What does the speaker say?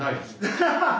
ハハハハッ！